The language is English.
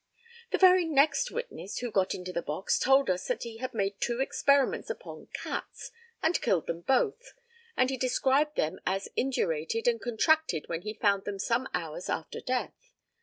The very next witness who got into the box told us that he had made two experiments upon cats, and killed them both, and he described them as indurated and contracted when he found them some hours after death.